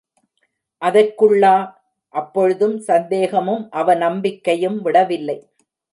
அதற்குள்ளா? அப்பொழுதும் சந்தேகமும் அவநம்பிக்கையும் விடவில்லை.